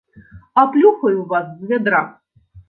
Аплюхаю вас з вядра.